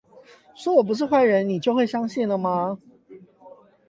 說我不是壞人你就會相信了嗎？